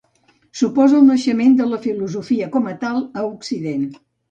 Suposa el naixement de la filosofia com a tal a Occident.